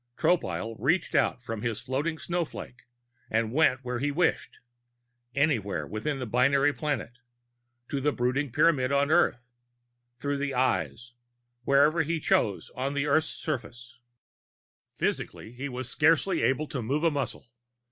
Tropile reached out from his floating snowflake and went where he wished anywhere within the binary planet; to the brooding Pyramid on Earth; through the Eyes, wherever he chose on Earth's surface. Physically, he was scarcely able to move a muscle.